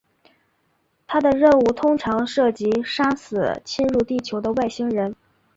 他的任务通常涉及杀死侵入地球的外星人。